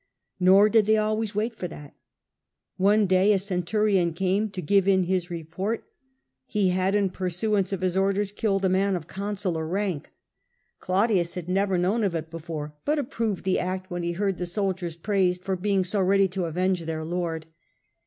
Nor did they always wait for that One day a centurion came to give in his report. He had, in pursuance of his orders, killed a man of consular rank. Claudius had never A.D. 4I '54« Claudius. 93 known of it before, but approved the act when he heard the soldiers praised for being so ready to avenge their lord.